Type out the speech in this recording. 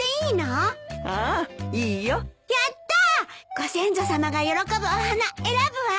ご先祖さまが喜ぶお花選ぶわ。